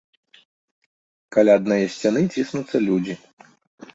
Каля аднае сцяны ціснуцца людзі.